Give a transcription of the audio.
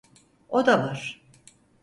O da var.